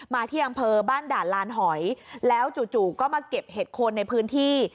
ที่อำเภอบ้านด่านลานหอยแล้วจู่ก็มาเก็บเห็ดโคนในพื้นที่